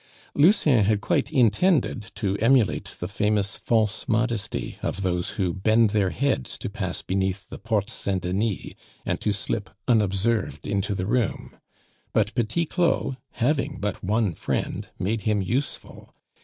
Lucien had quite intended to emulate the famous false modesty of those who bend their heads to pass beneath the Porte Saint Denis, and to slip unobserved into the room; but Petit Claud, having but one friend, made him useful.